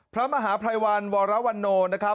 พระมหาภัยวันวรวรวันนู